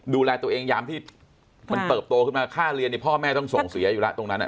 ดูแลตัวเองยามที่มันเติบโตขึ้นมาค่าเรียนพ่อแม่ต้องส่งเสียอยู่แล้วตรงนั้น